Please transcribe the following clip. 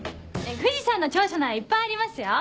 藤さんの長所ならいっぱいありますよ。